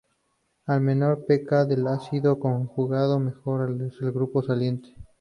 A menor pK del ácido conjugado, mejor es el grupo saliente.